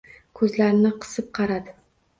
Ko‘zlarini qisib qaradi.